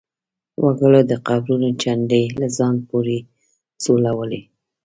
وګړو د قبرونو چنډې له ځان پورې سولولې.